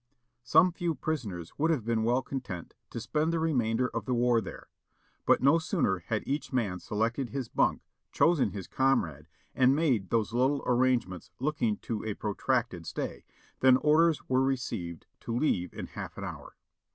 Some few prisoners would have been well content to spend the remainder of the war there. But no sooner had each man selected his bunk, chosen his com rade, and made those little arrangements looking to a protracted stay, than orders were received to leave in half an hour.